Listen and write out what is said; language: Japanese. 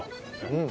うん。